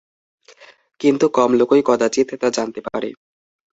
কিন্তু কম লোকই কদাচিৎ তা জানতে পারে।